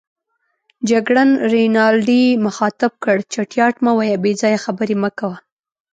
جګړن رینالډي مخاطب کړ: چټیات مه وایه، بې ځایه خبرې مه کوه.